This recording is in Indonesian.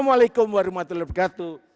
assalamu'alaikum warrahmatullahi wabarakatuh